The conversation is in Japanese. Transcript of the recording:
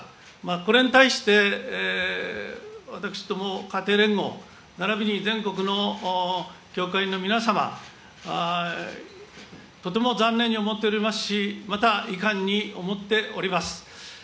これに対して、私ども家庭連合、ならびに全国の教会員の皆様、とても残念に思っておりますし、また遺憾に思っております。